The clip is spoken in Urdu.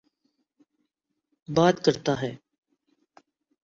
بات کرتا ہے۔